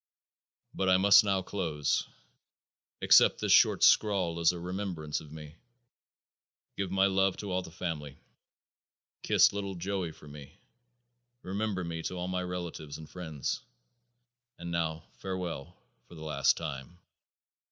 But I must now close. Accept this short scrawl as a remembrance of me. Give my love to all the family. Kiss little Joey for me. Remember me to all my relatives and friends. And now farewell for the last time.